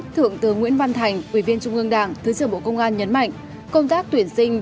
thượng tướng nguyễn văn thành ủy viên trung ương đảng thứ trưởng bộ công an nhấn mạnh